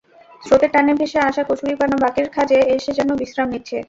স্রোতের টানে ভেসে আসা কচুরিপানা বাঁকের খাঁজে এসে যেন বিশ্রাম নিচ্ছে।